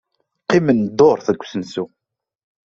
Qqimen dduṛt deg usensu.